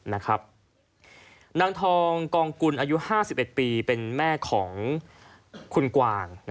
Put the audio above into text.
นางทองกองกุลอายุ๕๑ปีเป็นแม่ของคุณกวาง